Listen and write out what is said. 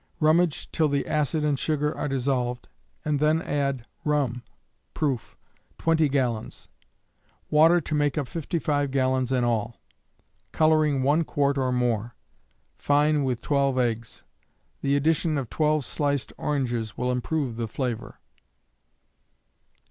Rummage till the acid and sugar are dissolved, then add rum (proof), 20 gallons; water to make up 55 gallons in all; coloring one quart or more. Fine with 12 eggs. The addition of 12 sliced oranges will improve the flavor.